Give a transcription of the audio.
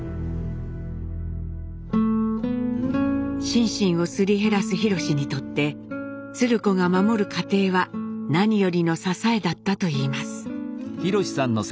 心身をすり減らす廣にとって鶴子が守る家庭は何よりの支えだったといいます。